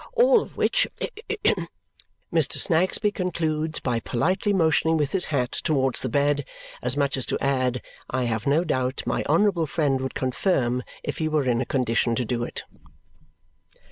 All of which " Mr. Snagsby concludes by politely motioning with his hat towards the bed, as much as to add, "I have no doubt my honourable friend would confirm if he were in a condition to do it."